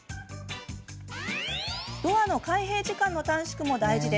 ドアの開閉時間の短縮も大事。